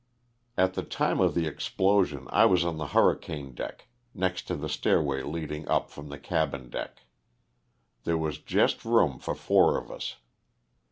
At the time of the explosion I was on the hurricane deck, next to the stairway leading up from the cabin deck. There was just room for four of us.